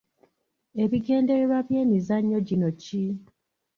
Ebigendererwa by’emizannyo gino ki?